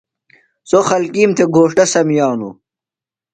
سوۡ خلکیم تھےۡ گھوݜٹہ سمِیانوۡ۔